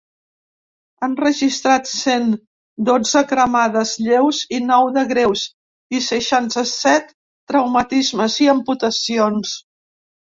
Han registrat cent dotze cremades lleus i nou de greus i seixanta-set traumatismes i amputacions.